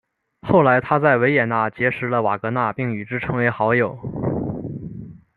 后来他在维也纳结识了瓦格纳并与之成为好友。